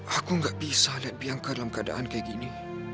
aku gak bisa lihat diangka dalam keadaan kayak gini